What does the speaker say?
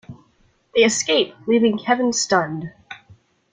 They escape, leaving Kevin stunned.